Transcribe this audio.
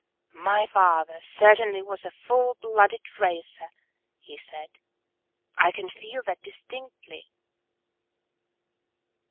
"My father certainly was a full blooded racer," he said. "I can feel that distinctly."